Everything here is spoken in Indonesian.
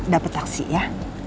dapet taksi ya